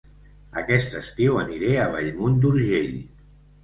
Aquest estiu aniré a Bellmunt d'Urgell